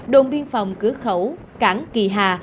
đồn biên phòng cửa khẩu cảng kỳ hà